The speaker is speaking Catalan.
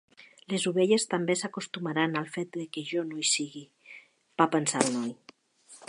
Les ovelles també s'acostumaran al fet que jo no hi sigui, va pensar el noi.